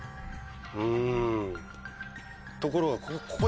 うんところが。